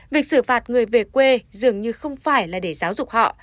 việc xử phạt người về quê dường như không phải là để giáo dục họ